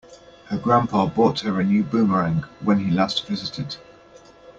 Her grandpa bought her a new boomerang when he last visited.